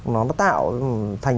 nó tạo thành